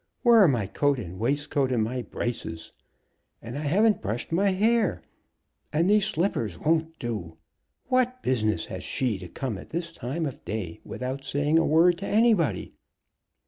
Where are my coat and waistcoat, and my braces? And I haven't brushed my hair. And these slippers won't do. What business has she to come at this time of day, without saying a word to anybody?"